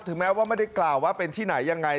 แม้ว่าไม่ได้กล่าวว่าเป็นที่ไหนยังไง